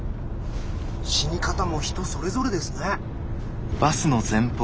死に方も人それぞれですね。